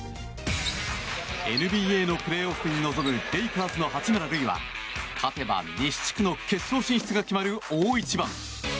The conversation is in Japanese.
ＮＢＡのプレーオフに臨むレイカーズの八村塁は勝てば西地区の決勝進出が決まる大一番。